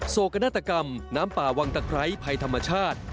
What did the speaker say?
โศกนาฏกรรมน้ำป่าวังตะไคร้ภัยธรรมชาติ